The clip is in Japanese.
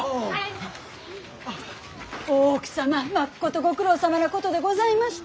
大奥様まっことご苦労さまなことでございました！